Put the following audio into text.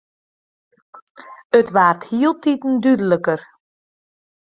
It waard hieltiten dúdliker.